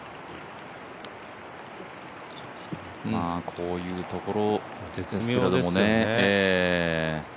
こういうところ絶妙ですよね。